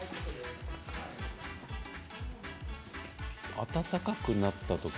暖かくなったとき？